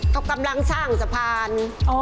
เขากำลังสร้างสะพาน